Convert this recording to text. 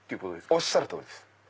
おっしゃる通りです。